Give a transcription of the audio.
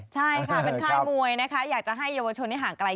ใช่ค่ะเป็นค่ายมวยนะคะอยากจะให้เยาวชนได้ห่างไกล